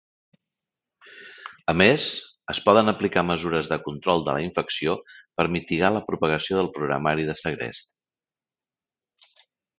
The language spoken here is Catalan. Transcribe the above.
A més, es poden aplicar mesures de control de la infecció per mitigar la propagació del programari de segrest.